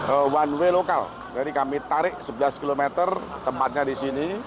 one way lokal jadi kami tarik sebelas km tempatnya di sini